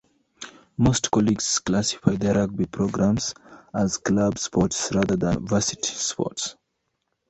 Most colleges classify their rugby programs as club sports rather than varsity sports.